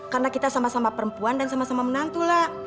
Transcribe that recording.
karena kita sama sama perempuan dan sama sama menantu la